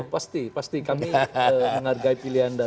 pasti pasti kami menghargai pilihan dari